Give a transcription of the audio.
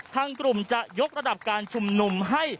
ทางกลุ่มจะยกระดับการชุมนุมให้